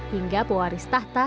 hingga puaris tahta